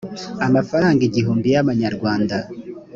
amafaranga igihumbi y amanyarwanda